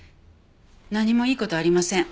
何もいい事はありません。